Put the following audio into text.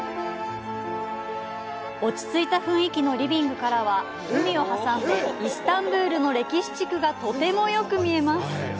落ち着いた雰囲気のリビングからは、海を挟んでイスタンブルの歴史地区がとてもよく見えます。